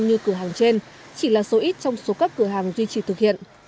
như cửa hàng trên chỉ là số ít trong số các cửa hàng duy trì thực hiện